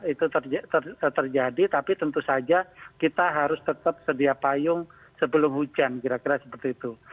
itu terjadi tapi tentu saja kita harus tetap sedia payung sebelum hujan kira kira seperti itu